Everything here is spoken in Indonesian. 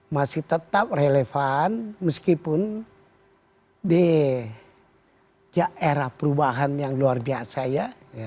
masih tetap relevan meskipun di era perubahan yang luar biasa ya